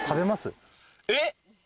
えっ？